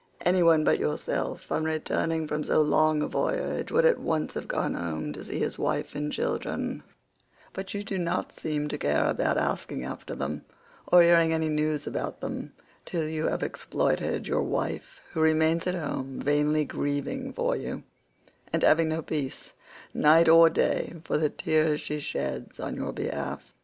Any one but yourself on returning from so long a voyage would at once have gone home to see his wife and children, but you do not seem to care about asking after them or hearing any news about them till you have exploited your wife, who remains at home vainly grieving for you, and having no peace night or day for the tears she sheds on your behalf.